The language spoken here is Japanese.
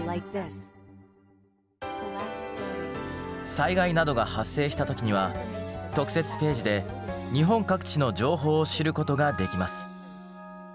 災害などが発生した時には特設ページで日本各地の情報を知ることができます。